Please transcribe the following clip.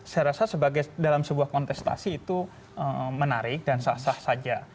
saya rasa dalam sebuah kontestasi itu menarik dan sah sah saja